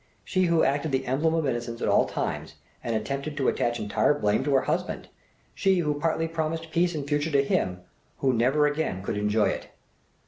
She who acted the emblem of innocence at all times, and attempted to attach entire blame to her husband! She who partly promised peace in future to him who never again could enjoy it!